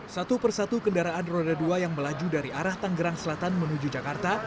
satu persatu kendaraan roda dua yang melaju dari arah tanggerang selatan menuju jakarta